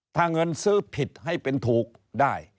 ถ้าเงินซื้อผิดให้เป็นถูกได้